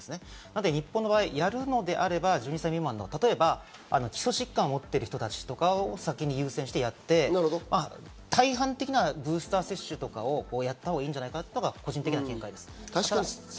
日本の場合やるのであれば１２歳未満の基礎疾患を持っている人たちとかを先に優先してやって、大半的なブースター接種をやったほうがいいというのが個人的な見解です。